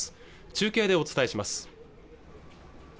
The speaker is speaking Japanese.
中継でお伝えします